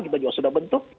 kita juga sudah bentuk